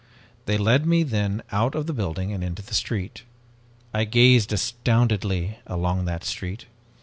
They led me then out of the building and into the street. "I gazed astoundedly along that street.